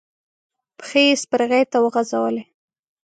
پښې يې سپرغې ته وغزولې.